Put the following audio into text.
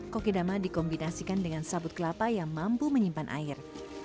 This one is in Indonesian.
kokedama dikombinasikan dengan sabut kelapa yang mampu menyimpan air